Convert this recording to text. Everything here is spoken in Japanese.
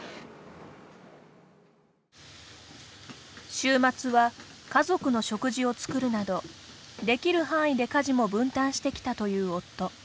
週末は家族の食事を作るなどできる範囲で家事も分担してきたという夫。